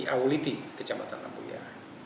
auliti kecamatan lampung ya